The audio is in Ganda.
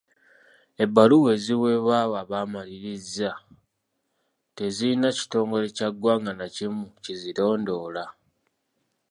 Ebbaluwa eziweebwa abo abamalirizza tezirina kitongole kya ggwanga na kimu kizirondoola. .